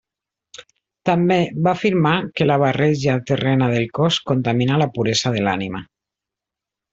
També va afirmar que la barreja terrena del cos contamina la puresa de l'ànima.